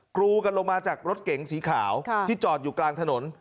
กรูกันลงมาจากรถเก๋งสีขาวที่จอดอยู่กลางถนน